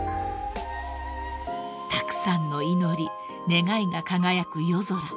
［たくさんの祈り・願いが輝く夜空］